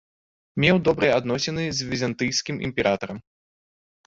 Меў добрыя адносіны з візантыйскім імператарам.